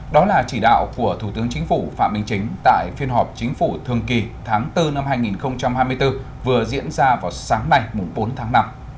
đó là chỉ đạo của thủ tướng chính phủ phạm minh chính tại phiên họp chính phủ thường kỳ tháng bốn năm hai nghìn hai mươi bốn vừa diễn ra vào sáng nay bốn tháng năm